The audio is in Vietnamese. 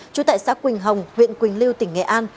trú tại xã quỳnh hồng huyện quỳnh lưu tỉnh nghệ an